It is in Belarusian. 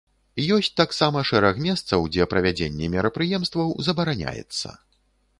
Ёсць таксама шэраг месцаў, дзе правядзенне мерапрыемстваў забараняецца.